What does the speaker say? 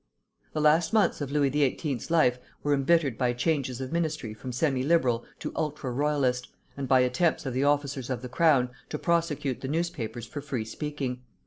The last months of Louis XVIII.'s life were embittered by changes of ministry from semi liberal to ultra royalist, and by attempts of the officers of the Crown to prosecute the newspapers for free speaking.